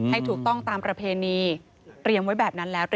ให้ถูกต้องตามประเพณีเตรียมไว้แบบนั้นแล้ว